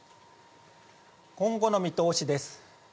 今後の見通しです。